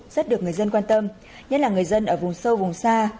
rất được người dân quan tâm nhất là người dân ở vùng sâu vùng xa